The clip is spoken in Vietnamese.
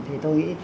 thì tôi nghĩ